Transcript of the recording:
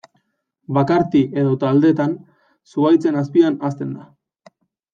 Bakarti edo taldetan, zuhaitzen azpian hazten da.